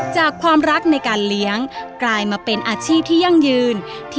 จากความรักในการเลี้ยงกลายมาเป็นอาชีพที่ยั่งยืน